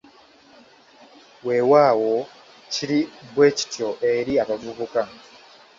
Weewaawo kiri bwekityo eri abavubuka!